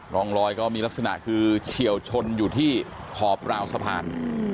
ร่องรอยก็มีลักษณะคือเฉียวชนอยู่ที่ขอบราวสะพาน